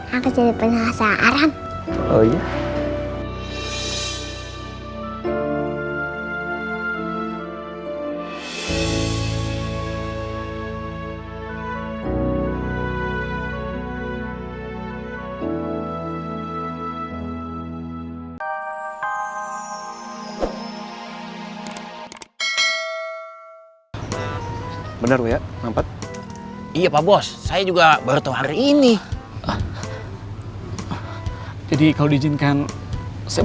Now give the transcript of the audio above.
aku jadi penyelamat seorang orang